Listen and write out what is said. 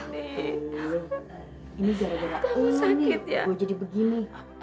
ini gara gara aku jadi begini